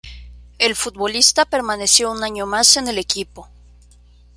El futbolista permaneció un año más en el equipo.